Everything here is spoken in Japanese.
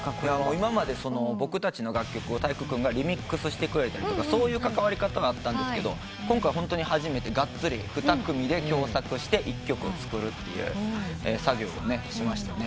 今まで僕たちの楽曲を体育君がリミックスしてくれたりとかそういう関わり方はあったんですけど今回ホントに初めてがっつり２組で共作して１曲を作るという作業をしましたね。